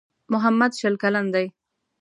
محمد شل کلن دی.